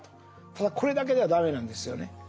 ただこれだけでは駄目なんですよね。